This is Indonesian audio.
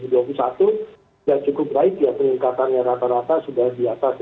dan cukup baik ya peningkatannya rata rata sudah di atas